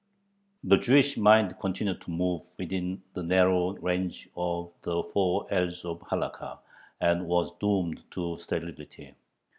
The Jewish mind continued to move within the narrow range of "the four ells of the Halakha," and was doomed to sterility.